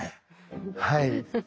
はい。